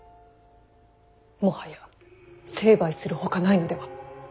もはや成敗するほかないのでは？